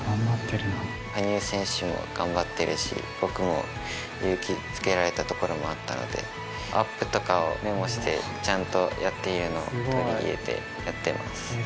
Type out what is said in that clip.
羽生選手も頑張ってるし、僕も勇気づけられたところもあったので、アップとかをメモして、ちゃんとやっているのを、取り入れてやってます。